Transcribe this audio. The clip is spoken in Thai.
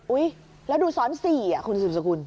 แล้วดูซ้อน๔คุณสืบสกุล